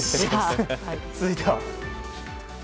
続いては。